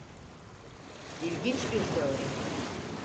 İlginç bir teori.